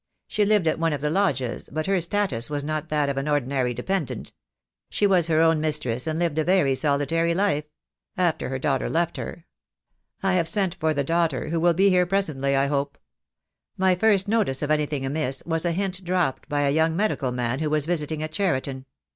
She lived at one of the lodges, but her status was not that of an ordinary dependent. She was her own mistress, and lived a very solitary life — after her daughter left her. I have sent for the daughter, who will be here presently, I hope. My first notice of anything amiss was a hint dropped by a young medical man who was visiting at Cheriton.